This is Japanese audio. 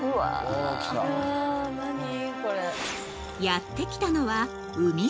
［やって来たのは］